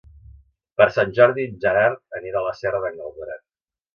Per Sant Jordi en Gerard anirà a la Serra d'en Galceran.